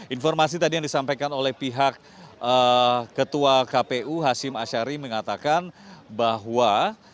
informasi tadi yang disampaikan oleh pihak ketua kpu hashim ashari mengatakan bahwa